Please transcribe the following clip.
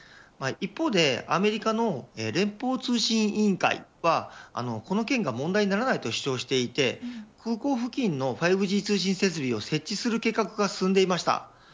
一方でアメリカの連邦通信委員会はこの件が問題にならないと主張していて空港付近の５Ｇ通信設備を設置する計画が進んでいました。